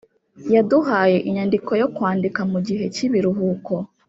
yaduhaye inyandiko yo kwandika mugihe cyibiruhuko